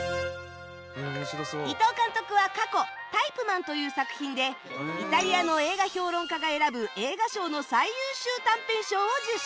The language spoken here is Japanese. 伊東監督は過去『Ｔｙｐｅｍａｎ』という作品でイタリアの映画評論家が選ぶ映画賞の最優秀短編賞を受賞